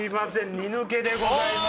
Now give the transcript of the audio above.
２抜けでございます。